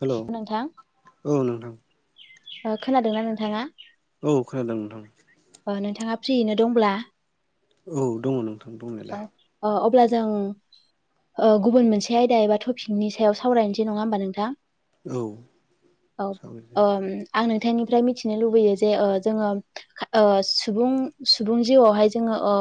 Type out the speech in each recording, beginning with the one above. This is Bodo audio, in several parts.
हेल' नोंथां औ नोंथां। ओ खोनादोंना नोंथांङा? औ खोनादों नोंथां। ओ नोंथाङा फ्रियैनो दंब्ला औ दङ नों औ ओ अब्ला जों ओ गुबुन मोनसे आयदा एबा टपिकनि सायाव सावरायनोसै नङा होमबा नोंथां? औ औ सावराय जायो। ओम आं नोंथांनिफ्राय मिथिनो लुबैयो जे ओ‌ जोङो ओ सुबुं सुबुं जिउआवहाय जोङो ओ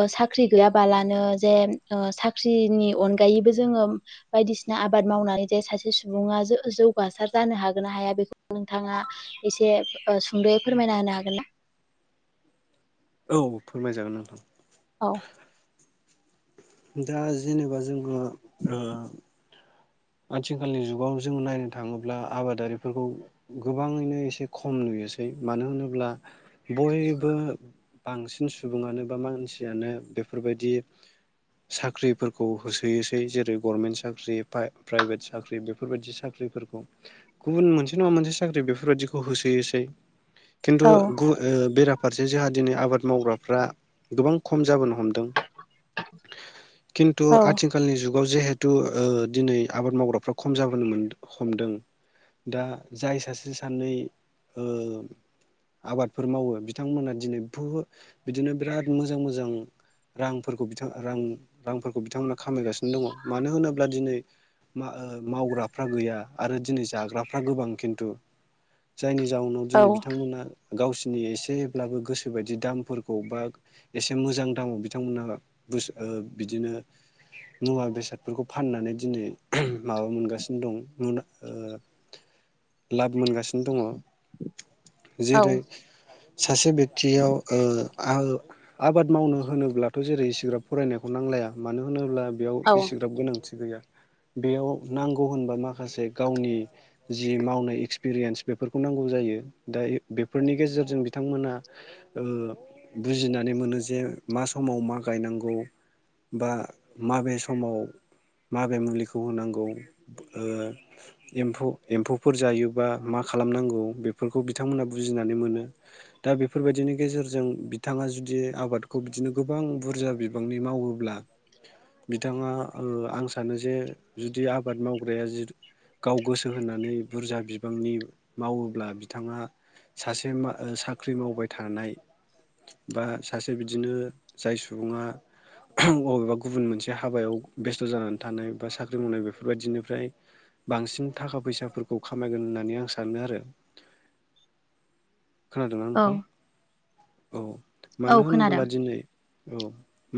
ओ सा ख्रि गैयाबालानो जे ओ साख्रिनि अनगायैबो जोङो बायदिसिना आबाद माव नानै जे सासे सुबुङा जौगारसार जानो हागोन ना हाया बेखौ नोंथाङा एसे सुंद'यै फोरमायना होनो हागोन ना? औ फोरमायजागोन नोंथां। औ दा जेनेबा जोङो ओ आथिखालनि जुगाव जों नायनो थाङोब्ला आबादारिफोरखौ गोबाङैनो एसे खम नु सै मानो होनोब्ला बयबो बांसिन सुबुङानो बा मानसियानो बेफोरबायदि साख्रिफोरखौ होसोयोसै जेरै गभर्नमेन्ट साख्रि बा प्राइभेट साख्रि बेफोरबायदि साख्रिफोरखौ गुबुन मोनसे नङा मोनसे साख्रि बेफोरबायदिखौ होसोयोसै खिन्थु औ गुबुन ओ बेराफारसे जोंहा दिनै आबाद मावग्राफ्रा गोबां खम जाबोनो हम दों खिन्थु आथिखालनि जुगाव जिहेथु ओ दिनै आबाद मावग्राफ्रा खम जाबोनो मोन हमदों। दा जाय सासे सानै ओ आबादफोर मावो बिथांमोना दिनै बुहुथ बिदिनो बिराद मोजां मोजां रांफोरखौ बिथां रां रांफोरखौ बिथांमोना खामायगासिनो दङ मानो होनोब्ला दिनै मा ओ मावग्राफ्रा गैया आरो दिनै जाग्राफ्रा गोबां खिन्थु जायनि जाउनाव औ दिनै बिथांमोना गावसिनि एसेब्लाबो गोसोबायदि दामफोरखौ बा एसे मोजां दामाव बिथांमोना बुस ओ बिदिनो मुवा बेसादफोरखौ फाननानै दिनै माबा मोनगासिनो दं ओ लाफ मोनगासिनो दङ औ जेरै सासे बेक्तियाव ओ आओ आबाद मावनो होनोब्लाथ' जेरै इसिग्राब फरायनायखौ नांलाया मानो होनोब्ला बेयाव औ एसेग्राब गोनांथि गैया। बेयाव नांगौ होनबा माखासे गावनि जि मावनाय एक्सपिरियेन्स बेफोरखौ नांगौ जायो। दा बेफोरनि गेजेरजों बिथांमोना ओ बुजिनानै मोनो जे मा समाव मा गायनांगौ बा माबे समाव माबे मुलि खौ होनांगौ ओ एम्फौफोर जायोबा मा खालामनांगौ बे फोरखौ बिथांमोना बुजिनानै मोनो दा बेफोरबायदिनि गेजेरजों बिथाङा जुदि आबादखौ बिदिनो गोबां बुरजा बिबांनि मावोब्ला [inaudible] बिथाङा ओ आं सानो जे जुदि आबाद मावग्राया जि गाव गोसो होनानै बुरजा बिबांनि मावोब्ला बिथाङा सासे मा ओ साख्रि मावबाय थानाय बा सासे बिदिनो जाय सुबुङा अबेबा गुबुन मोनसे हाबायाव बेस्थ' जानानै थानाय बा सा रों मावनाय बेफोरबायदिनिफ्राय बांसिन थाखा फैसाफोरखौ खामायगोन होननानै आं सानो आरो। [unintelligible] खोनादोंना नोंथां औ औ औ मानो खोनादों होनोब्ला दिनै औ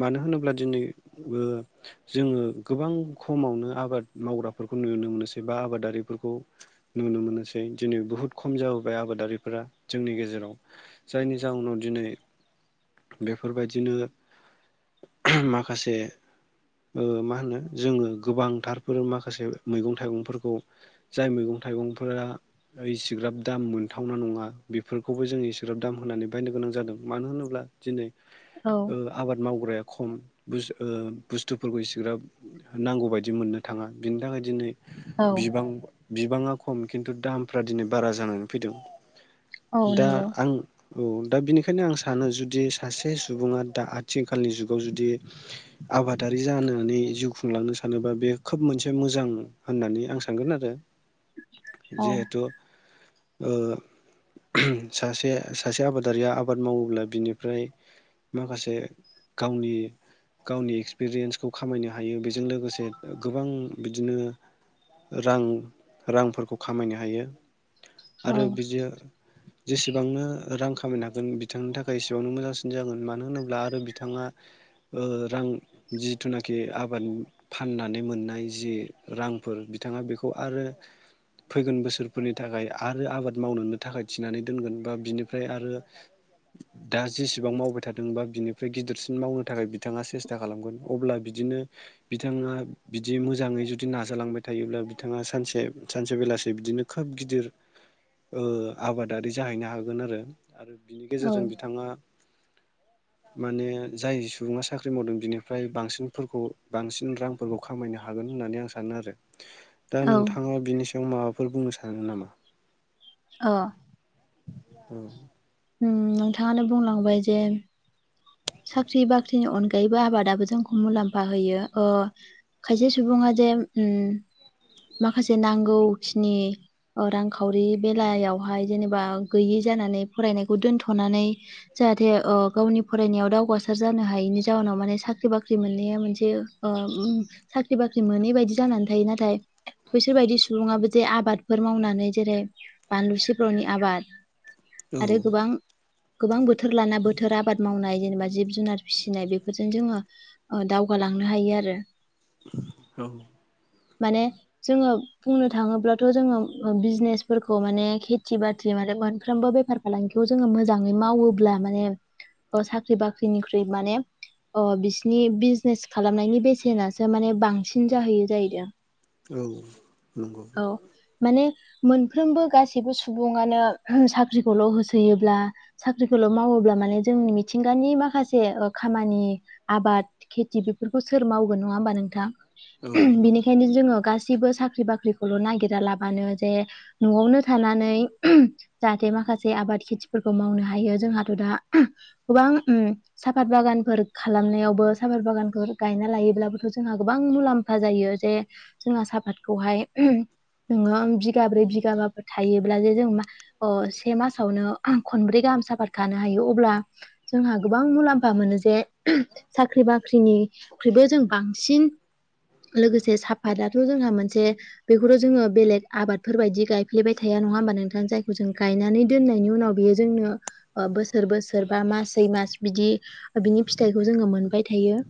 मानो होनोब्ला दिनै ओ जोङो गोबां ख समावनो आबाद मावग्राफोरखौ नुनो मोनोसै बा आबादारिफोरखौ नुनो मोनोसै दिनै बुहुत खम जाबोबाय आबादारिफोरा जोंनि गेजेराव जायनि जाउनाव दिनै बेफोरबायदिनो माखासे ओ मा होनो जोङो गोबांथारफोर माखासे मैगं थाइगंफोरखौ जाय मैगं थाइगंफोरा एसिग्रा ग्राब दाम मोनथावना नङा बेफोरखौबो जों इसिग्राब दाम होननानै बायनो गोनां जादों मानो होनोब्ला दिनै औ ओ आबाद मावग्राया खम बुस ओ बुस्थुफोरखौ इसेग्राब नांगौ बायदि मोननो थाङा बिनि थाखाय दिनै औ बिबां बिबाङा खम खिन्थु दामफ्रा दिनै बारा जानानै फैदों। औ दा नंगौ आं औ दा बिनिखायनो आं सानो जुदि सासे सुबुङा दा आथिखालनि जुगाव जुदि आबादारि जानानै जिउ खुंलांनो सा सानोबा बे खोब मोनसे मोजां होननानै आं सानगोन आरो औ जिहेथु ओ [unintelligible] सासे सासे आबादारिया आबाद मावोब्ला बिनिफ्राय माखासे गावनि गावनि एक्सपिरियेन्सखौ खामायनो हायो बेजों लोगोसे गोबां बिदिनो रां रांफोरखौ खामायनो हायो। औ आरो बिजो जेसेबांनो रां खामायनो हागोन बिथांनि थाखाय एसेबांनो मोजांसिन जागोन मानो होनोब्ला आरो बिथाङा ओ रां जिथुनाखि आबाद फाननानै मोननाय जि रांफोर बिथाङा बेखौ आरो फैगोन बोसोरफोरनि थाखाय आरो आबाद मावनोनो थाखाय थिनानै दोनगोन बा बिनिफ्राय आरो दा जेसेबां मावबाय थादोंबा बिनिफ्राय गिदिरसिन मावनो थाखाय बिथाङा सेसथा खालामगोन। अब्ला बि दिनो बिथाङा बिदि मोजाङै जुदि नाजालांबाय थायोब्ला बिथाङा सानसे सानसे बेलासे बिदिनो खोब गिदिर ओ आबादारि जाहैनो हागोन आरो आरो बिनि औ गेजेरजों बिथाङा माने जाय सुबुङा साख्रि मावदों बिनिफ्राय बांसिनफोरखौ बांसिन रांफोरखौ खामायनो हागोन होननानै आं सानो आरो दा औ नोंथाङा बिनि सायाव माबा फोर बुंनो सानो नामा? अ। औ। ओ‌म नोंथाङानो बुंलांबाय जे साख्रि बाख्रिनि अनगायैबो आबादाबो जोंखौ मुलाम्फा होयो ओ खायसे सुबुङा जे उम माखासे नांगौखिनि ओ रांखावरि बेलायावहाय जेनेबा गैयि जानानै फरायनायखौ दोनथ'नानै जाहाथे ओ गावनि फरायनायाव दावगासार जानो हायिनि जाउनाव माने साख्रि बाख्रि मोननाया मोनसे ओ उम साख्रि बाख्रि मोनै बायदि जानानै थायो। नाथाय बैसोर बायदि सुबुङाबो जे आबादफोर मावनानै जेरै बानलु सिब्रनि आबाद औ आरो गोबां गोबां बोथोर लाना बोथोर आबाद मावनाय जेनेबा जिब जुनार फिसिनाय बेफोरजों जोङो ओ दावगालांनो हायो आरो उम औ। माने जोङो बुंनो थाङोब्लाथ' जोङो ओ बिजनेसफोरखौ माने खेथि बाथि आरो मोनफ्रोमबो बेफार फालांगिखौ जोङो मोजाङै मावोब्ला माने ओ साख्रि बाख्रिनिख्रुइ माने अ' बिसिनि बिजनेस खालामनायनि बेसेनासो माने बांसिन जाहैयो जाहैदों। औ नंगौ औ। माने मोनफ्रोमबो गासैबो सुबुंङानो साख्रिखौल' होसोयोब्ला साख्रिखौल' मावोब्ला माने जोंनि मिथिंगानि माखासे ओ खामानि आबाद खेथि बेफोरखौ सोर मावगोन नङा होमबा नोंथां। औ नंगौ बिनिखायनो जोङो गास सैबो साख्रि बाख्रिखौल' नागिरालाबानो जे न'आवनो थानानै [unintelligible] जाहाथे मा खासे आबाद खेथिफोरखौ मावनो हायो। जोंहाथ' दा गोबां ओम साफात बागानफोर खालामनायावबो साफात बागानफोर गायना लायोब्लाबोथ' जोंहा गोबां मुलाम्फा जायो जे जोंहा साहपातखौ हाय [unintelligible] [unintelligible] बिगाब्रै बिगाबाबो थायोब्ला जे जों मा अ से मासावनो खनब्रै गाहाम साफात खानो हायो अब्ला जोंहा गोबां मुलाम्फा मोनो जे [unintelligible] साख्रि बाख्रिनिख्रुइबो जों बांसिन लोगोसे साफातआथ' जोंहा मोनसे बेखौथ' जोङो बेलेग आबादफोर बायदि गायफ्लेबाय थाया। नङा होमबा नोंथां जायखौ'जों गायनानै दोननायनि उनाव बेयो जोंनो ओ बोसोर बोसोर बा मास सै' मास बिदि बिनि फिथाइखौ जोङो मोनबाय थायो।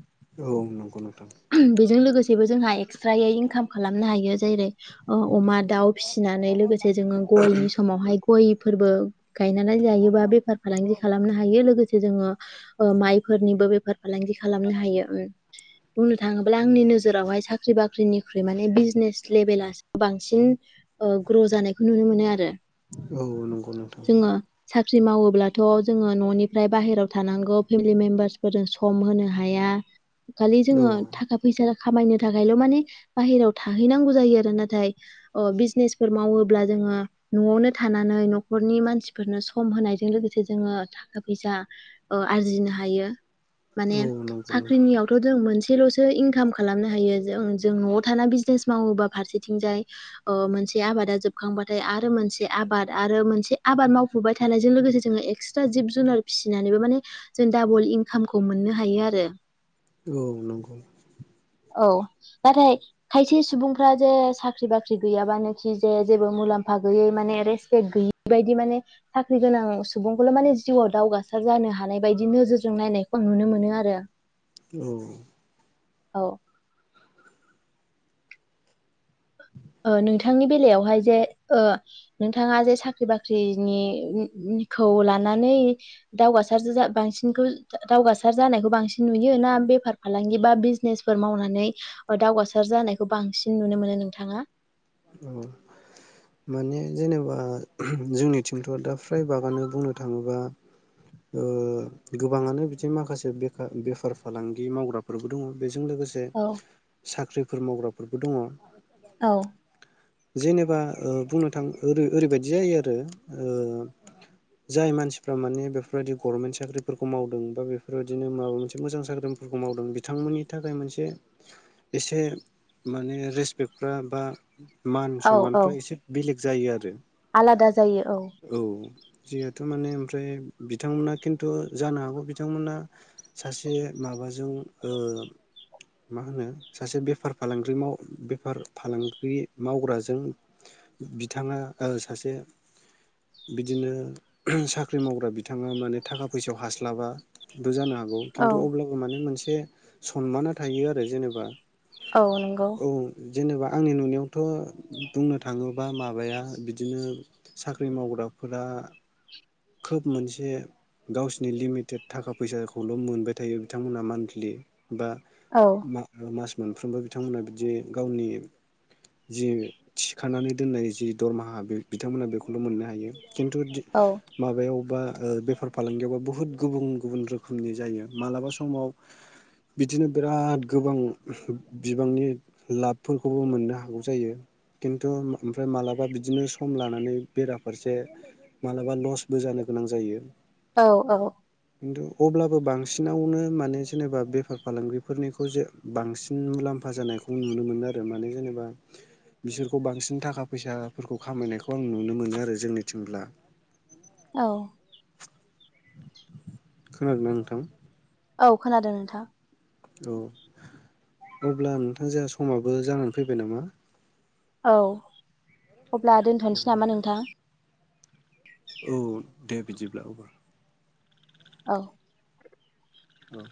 औ नंगौ नोंथां बेजों लोगोसेबो जोंहा एक्स्रायै इनकाम खालामनो हायो जेरै' अमा, दाउ फिसिनानै लोगोसे जोङो गयनि समावहाय गय फोरबो गायनानै लायोबा बेफार फालांगि खालामनो हायो लोगोसे जोङो ओ माइफोरनिबो बेफार फालांगि खालामनो हायो। बुंनो थाङोब्ला आंनि नोजोरावहाय साख्रि बाख्रिनिख्रुइ माने बिजनेस लेभेलासो बांसिन ओ ग्र' जानायखौ नुनो मोनो आरो। औ नंगौ नंगौ नोंथां। फ्रि मावोब्लाथ' जोङो न'नि फ्राय बाहेरायाव थानांगौ फेमिलि मेम्बारसफोरजों सम' होनो हाया खालि औ जोङो थाखा फैसा खामायनो थाखायल' माने बाहेरायाव थाहैनांगौ जायो आरो नाथाय अ' बिजनेसफोर मावोब्ला जों ङो न'आवनो थानानै न'खरनि मानसिफोरनो सम होनायजों लोगोसे जोङो थाखा फैसा ओ आरजिनो हायो माने औ नंगौ नोंथां साख्रिनियावथ' जों मोनसे सेल'सो इनकाम खालामनो हायो जों जों न'आव थान बिजनेस मावोबा फारसेथिंजाय ओ मोन मोनसे आबादा जोबखांबाथाय आरो मोनसे आबाद आरो मोनसे आबाद मावफुबाय थानायजों लोगोसे जोङो एक्सट्रा जिब जु जुनार फिसिनानैबो माने जों डाबल इनकामखौ मोननो हायो आरो। औ नंगौ। औ नाथाय खायसे सुबुंफ्रा जे साख्रि बाख्रि गैयाबानोखि जे जेबो मुलाम्फा गयै म रेसपेक् गैयै बायदि माने साख्रि गोनां सुबुंखौल' माने जिउ'आव दावगासार जानो हानाय बायदि नोजोरजों नायनायखौ नुनो मोनो आरो। औ। औ ओ नोंथांनि बेलायावहाय जे ओ नोंथाङा जे साख्रि बाख्रिनि खौ लानानै दावगार जा--जा बांसिन दावगासार जानायखौ बांसिन नुयो ना बेफार फालांगि बा बिजनेसफोर मावनानै दावगासार जानायखौ बांसिन नुनो मोनो नोंथाङा। औ माने जेनोबा जोंनिथिंथ' दा फ्रायभागआानो बुंनो थाङोबा ओ गोबाङानो बिदि माखासे बेफर बेफार फालांगि मावग्राफोरबो दङ बे बेजों लोगोसे औ साख्रिफोर मावग्राफोरबो दङ। औ जेनेबा ओ बुंनो थाङो ओरैबायदि जायो आरो जाय मानसिफ्रा माने बेफोरबायदि गभर्नमेन्ट साख्रिफोरखौ मावदों बा बेफोरबायदिनो माबा मोनसे मोजां साख्रि बो मावदों बिथां एसे माने रेसपेक्टफ्रा बा मान औ औ सनमानफ्रा एसे बेलेग जायो आरो आलादा जायो औ जोंहथ' माने ओमफ्राय बिथांमोना खिन्थु जानो हागौ बिथांमोना सासे माबाजों ओ मा होनो सासे बेफार फालांगि माव बेफार फालांगि मावग्राजों बिथाङा ओ सासे बिदिनो साख्रि मावग्रा बिथाङा माने थाखा फैसायाव हास्लाबा जानो हागौ औ खिन्थु अब्लाबो माने मोनसे सनमाना थायो आरो जेनेबा औ नंगौ औ जेनेबा आंनि नुनायाव थ' बुंनो थाङोबा माबाया बिदिनो साख्रि मावग्राफोरा खोब मोनसे गावसिनि लिमिटेड थाखा फैसाखौल' मोनबाय थायो बिथांमोनहा मान्थलि बा औ मास मोनफ्रोमबो बिथांमोना बिदि गावनि जि थिखानानै दोननाय जि दरमाहा बिथांमोना बेखौल' मोननो हायो खिन्थु दि औ बे बेफार फालांगियावबा बुहुत गुबुन गुबुन रोखोमनि जायो मालाबा समाव बिदिनो बिराद गोबां बिबांनि लाबफोरखौबो मोननो हागौ जायो खिन्थु ओमफ्राय मालाबा बिदिनो सम लानानै बेराफारसे मालाबा लस बो जानो गोनां जायो औ औ खिन्थु अब्लाबो बांसिनावनो माने जेनेबा बेफार फालांगिफोरनिखौ जे बांसिन मुलाम्फा मुफा जानायखौ नुनो मोनो आरो माने जेनेबा बिसोरखौ बांसिन थाखा फैसाफोरखौ खामायनायखौ आं नुनो मोनो आरो जोंनिथिंब्ला औ खोनादौंना नोंथां औ खोनादों नोंथां औ अब्ला नोंथां जहा समाबो जानानै फैबाय नामा औ अब्ला दोनथ'नोसै नामा नोंथां औ दे बिदिब्ला अबा औ औ